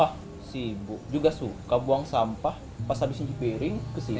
ah sibuk juga suka buang sampah pas habis dipiring ke sini